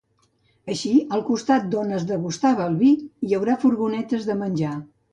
Així, al costat d’on es degusta el vi hi haurà furgonetes de menjar.